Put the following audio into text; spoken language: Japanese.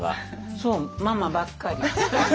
そうママばっかり。